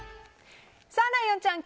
ライオンちゃん